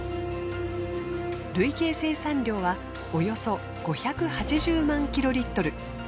累計生産量はおよそ５８０万キロリットル。